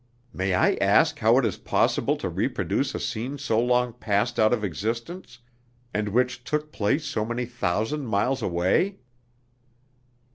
"May I ask how it is possible to reproduce a scene so long passed out of existence, and which took place so many thousand miles away?"